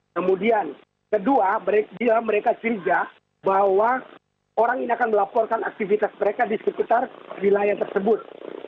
kemudian kedua bila mereka curiga bahwa orang ini akan melaporkan aktivitas mereka di sekitar wilayah tersebut